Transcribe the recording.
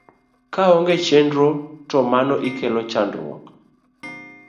Kaonge chenro to mano ikelo chandruok